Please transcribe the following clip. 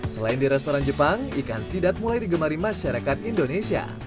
selain di restoran jepang ikan sidat mulai digemari masyarakat indonesia